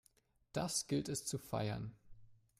Das gilt es zu feiern!